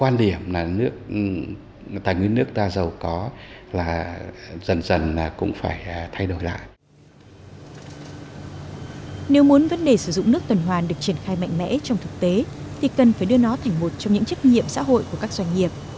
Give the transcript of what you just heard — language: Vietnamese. nếu các tuần hoàn được triển khai mạnh mẽ trong thực tế thì cần phải đưa nó thành một trong những trách nhiệm xã hội của các doanh nghiệp